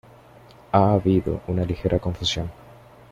Ha habido una ligera confusión.